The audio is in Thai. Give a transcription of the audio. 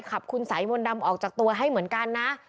ขับคุณสายมนต์ดำออกจากตัวให้เหมือนกันนะ